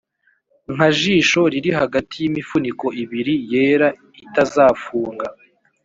nka jisho riri hagati yimifuniko ibiri yera itazafunga.